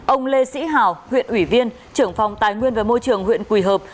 ông lê sĩ hào huyện ủy viên trưởng phòng tài nguyên và môi trường huyện quỳ hợp